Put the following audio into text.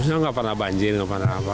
ya nggak pernah banjir nggak pernah apa apa